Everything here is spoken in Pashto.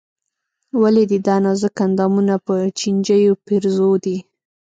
ولې دې دا نازک اندامونه په چينجيو پېرزو دي.